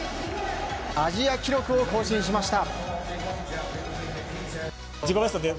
アジア記録を更新しました。